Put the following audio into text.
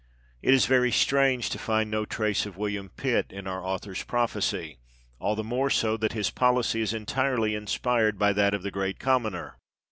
It is very strange to find no trace of William Pitt in our author's prophecy ; all the more so that his policy b xviii THE EDITOR'S PREFACE. is entirely inspired by that of the Great Commoner.